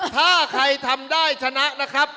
ถ้าใครทำได้ชนะนะครับ